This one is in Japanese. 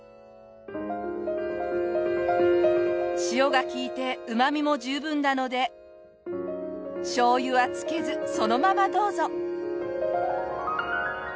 塩が利いてうまみも十分なのでしょうゆはつけずそのままどうぞ。